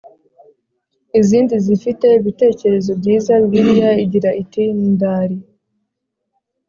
izindi zifite ibitekerezo byiza Bibiliya igira iti ndaari